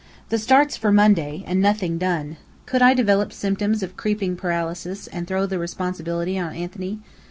The start's for Monday, and nothing done! Could I develop symptoms of creeping paralysis, and throw the responsibility on Anthony?